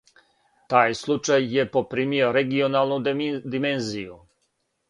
Тај случај је попримио регионалну димензију.